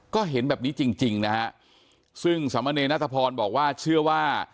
ก็เห็นแบบนี้จริงจริงนะฮะซึ่งสมเนรนาธพรบอกว่าเชื่อว่า